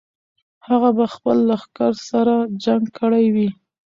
هغه به خپل لښکر سره جنګ کړی وي.